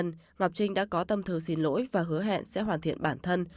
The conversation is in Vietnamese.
trong thời gian này ngọc trinh đã có tâm thư xin lỗi và hứa hẹn sẽ hoàn thiện bản thân